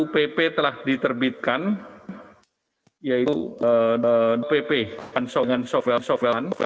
satu pp telah diterbitkan yaitu dp pansoran software software